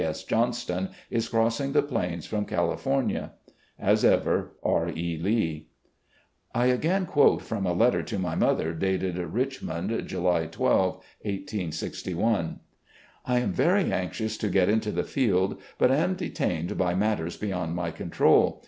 S. Johnston, is crossing the plains from California. ... "As ever, R. E. Lee." I again quote from a letter to my mother, dated Richmond, July 12, 1861: "... I am very anxious to get into the field, but am detained by matters beyond my control.